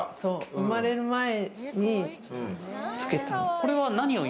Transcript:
生まれる前につけた。